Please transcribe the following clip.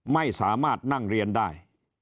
ไม่สามารถนั่งเรียนได้